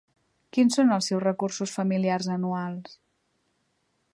Quins són els seus recursos familiars anuals?